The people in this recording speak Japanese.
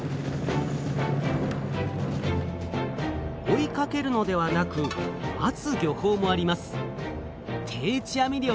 追いかけるのではなく待つ漁法もあります。